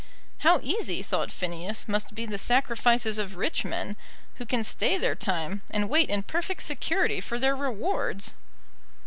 How easy, thought Phineas, must be the sacrifices of rich men, who can stay their time, and wait in perfect security for their rewards!